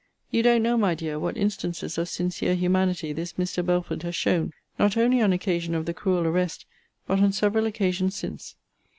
You don't know, my dear, what instances of sincere humanity this Mr. Belford has shown, not only on occasion of the cruel arrest, but on several occasions since.